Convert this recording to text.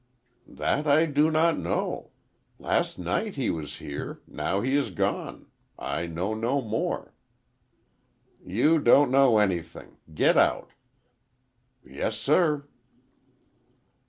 "That I do not know. Last night he was here. Now he is gone. I know no more." "You don't know anything. Get out." "Yes, sir."